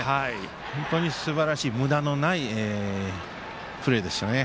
本当にすばらしいむだのないプレーでしたね。